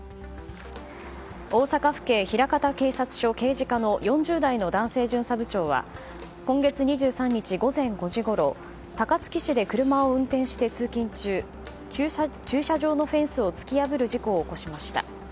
大阪府警枚方警察署刑事課の４０代の男性巡査部長は今月２３日午前５時ごろ高槻市で車を運転して通勤中駐車場のフェンスを突き破る事故を起こしました。